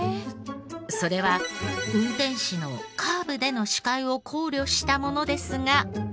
それは運転士のカーブでの視界を考慮したものですが。